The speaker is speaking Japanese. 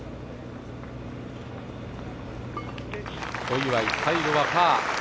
小祝、最後はパー。